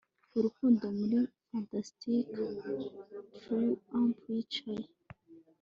urukundo muri fantastique triumph yicaye